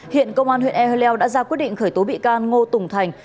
hiện công an huyện e leo đã ra quyết định khởi tố bị can ngô tùng thành